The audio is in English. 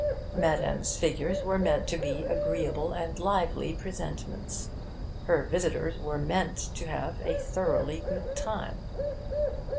Madame's figures were meant to be agreeable and lively presentments. Her visitors were meant to have a thoroughly good time.